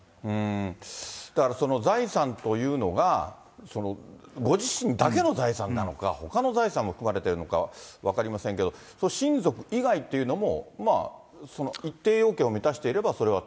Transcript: だからその財産というのが、ご自身だけの財産なのか、ほかの財産も含まれているのか分かりませんけど、親族以外というのも、一定要件を満たしていれば、それは。